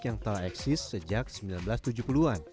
yang telah eksis sejak seribu sembilan ratus tujuh puluh an